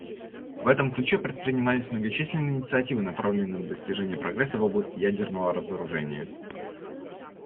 В этом ключе предпринимались многочисленные инициативы, направленные на достижение прогресса в области ядерного разоружения.